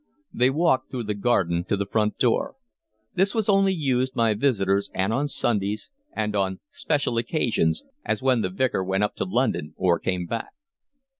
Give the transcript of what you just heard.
They walked through the garden to the front door. This was only used by visitors and on Sundays, and on special occasions, as when the Vicar went up to London or came back.